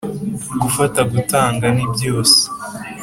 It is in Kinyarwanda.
gufata gutanga ni byose